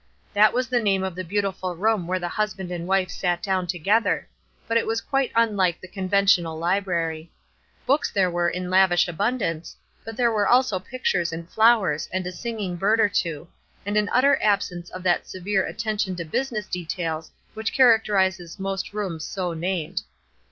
That was the name of the beautiful room where the husband and wife sat down together; but it was quite unlike the conventional library. Books there were in lavish abundance, but there were also pictures and flowers and a singing bird or two, and an utter absence of that severe attention to business details which characterizes most rooms so named.